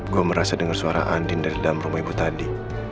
gue merasa dengar suara andin dari dalam rumah ibu tadi